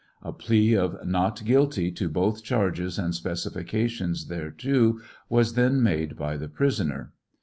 A plea of " not guilty" to both chai ges and specifications thereto was then made by the prisoner.